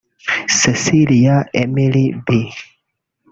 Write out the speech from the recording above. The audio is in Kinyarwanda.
Cecilia Emily B